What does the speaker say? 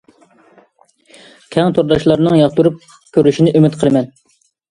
كەڭ تورداشلارنىڭ ياقتۇرۇپ كۆرۈشىنى ئۈمىد قىلىمەن.